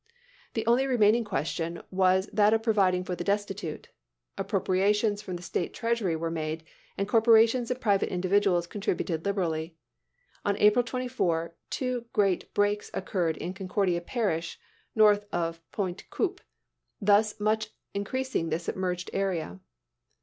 The only remaining question was that of providing for the destitute. Appropriations from the State treasury were made, and corporations and private individuals contributed liberally. On April 24, two great breaks occurred in Concordia Parish, north of Pointe Coupee, thus much increasing the submerged area.